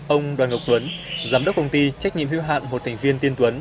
ông đoàn ngọc tuấn giám đốc công ty trách nhiệm hưu hạn một thành viên tiên tuấn